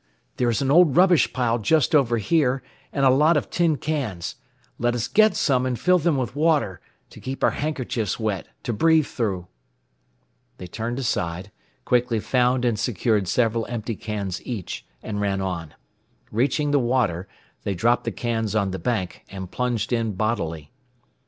There is an old rubbish pile just over here, and a lot of tin cans. Let us get some, and fill them with water to keep our handkerchiefs wet, to breathe through." They turned aside, quickly found and secured several empty cans each, and ran on. Reaching the water, they dropped the cans on the bank, and plunged in bodily.